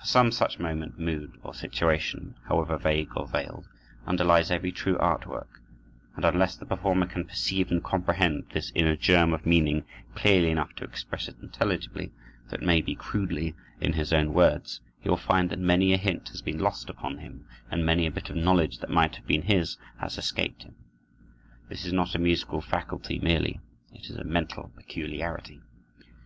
For some such moment, mood, or situation, however vague or veiled, underlies every true art work; and unless the performer can perceive and comprehend this inner germ of meaning clearly enough to express it intelligibly, though it may be crudely, in his own words, he will find that many a hint has been lost upon him, and many a bit of knowledge, that might have been his, has escaped him. This is not a musical faculty merely; it is a mental peculiarity.